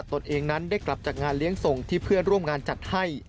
ตนเองนั้นได้กลับจากงานเลี้ยงส่งที่เพื่อนร่วมงานจัดให้